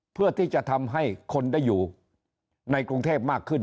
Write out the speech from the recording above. เพื่อที่จะทำให้คนได้อยู่ในกรุงเทพมากขึ้น